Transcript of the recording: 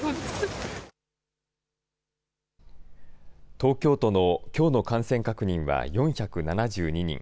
東京都のきょうの感染確認は４７２人。